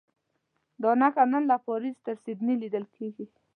دا نښه نن له پاریس تر سیډني لیدل کېږي.